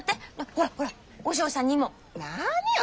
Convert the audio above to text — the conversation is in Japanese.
ほらほら和尚さんにも。何よ。